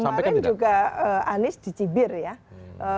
di dki kemarin juga anies dicibir ya